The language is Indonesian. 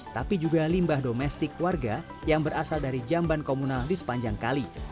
tapi juga limbah domestik warga yang berasal dari jamban komunal di sepanjang kali